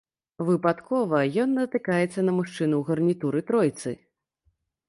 Выпадкова ён натыкаецца на мужчыну ў гарнітуры-тройцы.